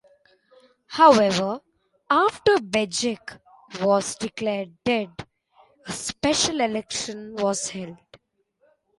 However, after Begich was declared dead, a special election was held.